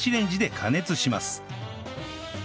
加熱します。